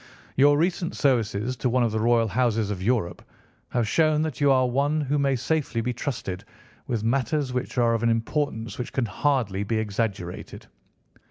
Your recent services to one of the royal houses of Europe have shown that you are one who may safely be trusted with matters which are of an importance which can hardly be exaggerated.